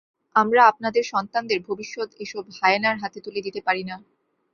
আমরা আমাদের সন্তানদের ভবিষ্যৎ এসব হায়েনার হাতে তুলে দিতে পারি না।